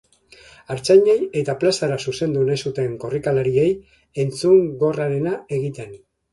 Artzainei eta plazara zuzendu nahi zuten korrikalariei entzungorrarena egiten.